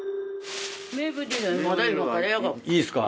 いいっすか。